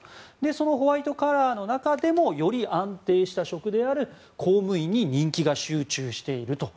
そのホワイトカラーの中でもより安定した職である公務員に人気が集中していると。